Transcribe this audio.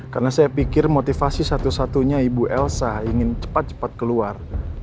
karena saya pikir motivasi satu satunya ibu elsa ingin cepat cepat keluar